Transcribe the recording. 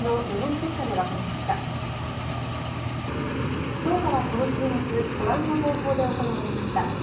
調査はこの週末ご覧の方法で行われました。